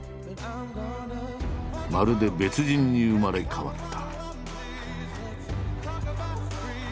まるで別人に生まれ変わった。